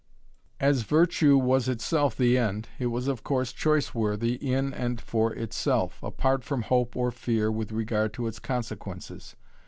As virtue was itself the end, it was of course choiceworthy in and for itself, apart from hope or fear with regard to its consequences.